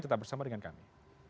tetap bersama dengan kami